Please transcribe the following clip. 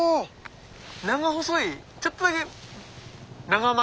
長細いちょっとだけ長丸？